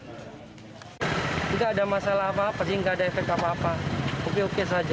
jika ada masalah apa apa jika tidak ada efek